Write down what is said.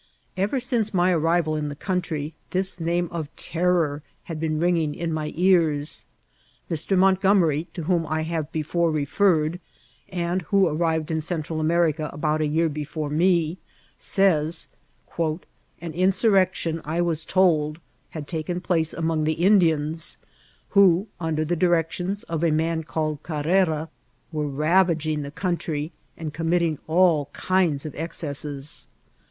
Ever since my arrival in the country this name of terr<»r had been ringing in my ears. Mr. Montgomeryi to whom I have before referred, and "v^o arrived in Central America about a year before me, says, '< An in* surrection, I was toid^ had taken place among the In* dians, "v^o, under the directions of a man called Car* rera, were ravaging the country and committing all Jdnds of excesses.